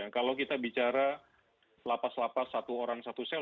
kalau kita bicara lapas lapas satu orang satu sel